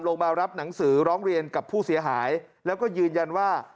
มารับหนังสือร้องเรียนกับผู้เสียหายแล้วก็ยืนยันว่า